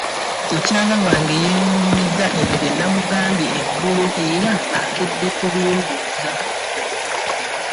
Mukyala wange yeewuunyizza ebyo bye namugambye eggulo era akedde kubimbuuza.